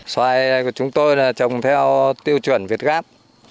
xoài của chúng tôi là trồng theo tiêu chuẩn việt gáp